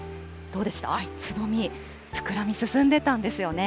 つぼみ、膨らみ、進んでたんですよね。